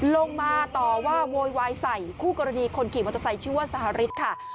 ลงมาต่อว่าโวยวายใส่คู่กรณีคนขี่มอเตอร์ไซค์ชื่อว่าสหริสค่ะ